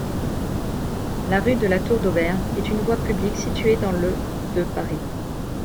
La rue de La Tour-d'Auvergne est une voie publique située dans le de Paris.